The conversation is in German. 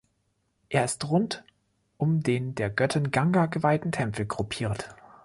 Er ist rund um den der Göttin Ganga geweihten Tempel gruppiert.